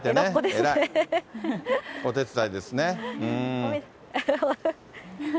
お手伝いですね。